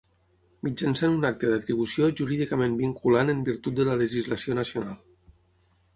Mitjançant un acte d'atribució jurídicament vinculant en virtut de la legislació nacional.